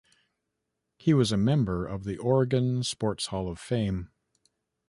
He was a member of the Oregon Sports Hall of Fame.